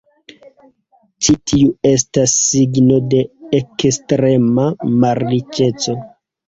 Ĉi tiu estas signo de ekstrema malriĉeco.